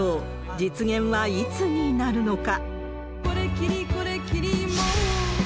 実現はいつになるのか。